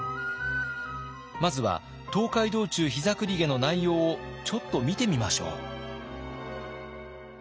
まずは「東海道中膝栗毛」の内容をちょっと見てみましょう。